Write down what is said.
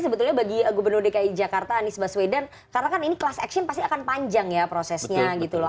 sebetulnya bagi gubernur dki jakarta anies baswedan karena kan ini class action pasti akan panjang ya prosesnya gitu loh